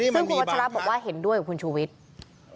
ซึ่งคุณวัชระบอกว่าเห็นด้วยกับคุณชูวิทย์